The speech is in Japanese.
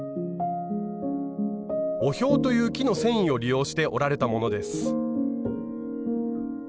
オヒョウという木の繊維を利用して織られたものです。